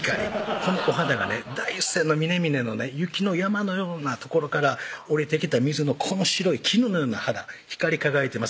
このお肌がね大山の峰々のね雪の山の様な所から下りてきた水のこの白い絹の様な肌光り輝いてます